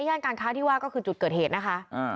ย่านการค้าที่ว่าก็คือจุดเกิดเหตุนะคะ